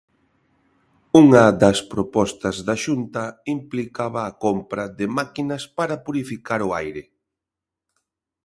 Unha das propostas da Xunta implicaba a compra de máquinas para purificar o aire.